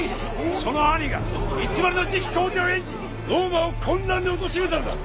その兄が偽りの次期皇帝を演じローマを混乱に陥れたのだ